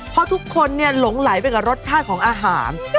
เพราะทุกคนหลงไหลไปกับรสชาติของอาหาร